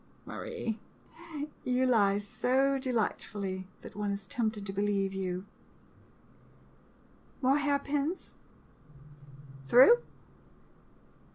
[Smiles.] Marie, you lie so de lightfully, that one is tempted to believe you. More hairpins? Through?